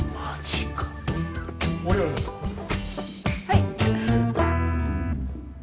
はい。